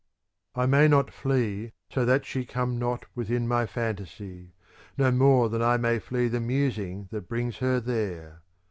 ^ n itoiR boi. I may not flee so that she come not within my fantasy, no more than I may flee the musing that brings her there.